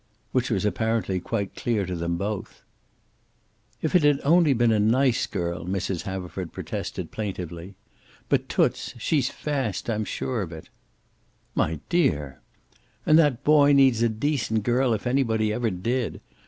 Which was apparently quite clear to them both. "If it had only been a nice girl," Mrs. Haverford protested, plaintively. "But Toots! She's fast, I'm sure of it." "My dear!" "And that boy needs a decent girl, if anybody ever did.